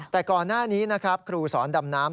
แต่ก่อนหน้านี้ครูสอนดำน้ำ